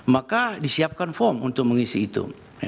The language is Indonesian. maka disiapkan form untuk mengisi itu